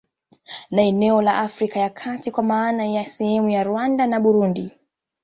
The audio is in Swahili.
Na eneo la Afrika ya kati kwa maana ya sehemu ya Rwanda na Burundi